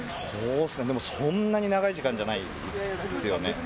そんなに長い時間じゃないですよね。